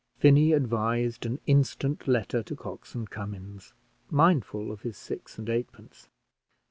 Finney advised an instant letter to Cox and Cummins, mindful of his six and eightpence.